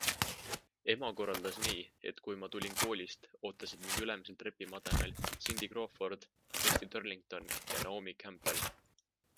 Ema korraldas nii, et kui ma tulin koolist, ootasid mind ülemisel trepimademel Cindy Crawford, Christy Turlington ja Naomi Campbell.